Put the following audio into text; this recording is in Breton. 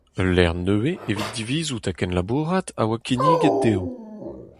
Ul lec'h nevez evit divizout ha kenlabourat a oa kinniget dezho.